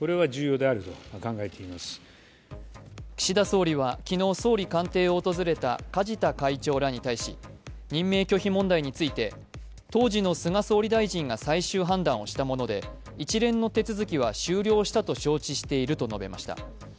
岸田総理は昨日、総理官邸を訪れた梶田会長らに対し、任命拒否問題について、当時の菅総理大臣が最終判断をしたもので、一連の手続きは終了したと承知していると述べました。